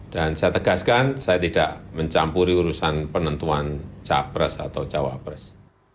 dan saya tegaskan saya tidak mencampuri urusan penentuan capres atau cawapres